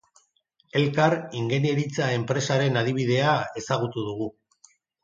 Elkar ingenieritza enpresaren adibidea ezagutu dugu.